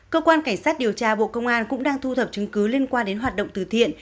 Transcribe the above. cơ quan cảnh sát điều tra bộ công an cũng đang thu thập chứng cứ liên quan đến hoạt động từ thiện